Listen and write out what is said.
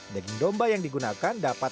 daging domba yang digunakan dapat